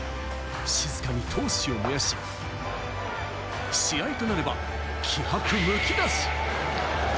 静かに闘志を燃やし、試合となれば気迫むき出し。